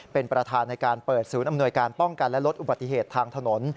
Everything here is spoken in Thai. เป็นประธานในการเปิดศูนย์อำนวยการป้องกันและลดอุบัติเหตุทางถนน